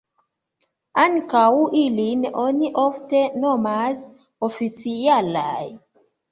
Ankaŭ ilin oni ofte nomas oficialaj.